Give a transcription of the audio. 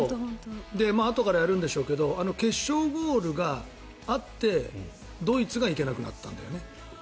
あとからやるんでしょうけど決勝ゴールがあってドイツが行けなくなったんだよね。